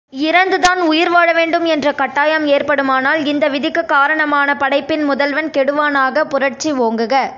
இரந்துதான் உயிர் வாழவேண்டும் என்ற கட்டாயம் ஏற்படுமானால் இந்த விதிக்குக் காரணமான படைப்பின் முதல்வன் கெடுவானாக புரட்சி ஓங்குக.